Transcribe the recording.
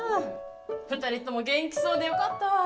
２人とも元気そうでよかった。